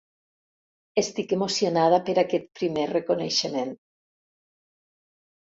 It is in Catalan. Estic emocionada per aquest primer reconeixement.